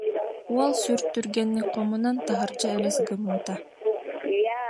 уол сүр түргэнник хомунан, таһырдьа элэс гыммыта